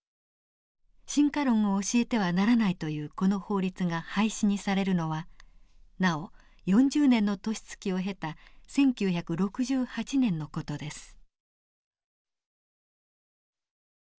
進化論を教えてはならないというこの法律が廃止にされるのはなお４０年の年月を経た１９６８年の事です。